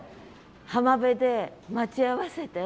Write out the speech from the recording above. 浜辺で待ち合わせて。